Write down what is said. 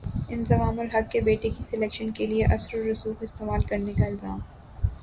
انضمام الحق پر بیٹے کی سلیکشن کیلئے اثرورسوخ استعمال کرنے کا الزام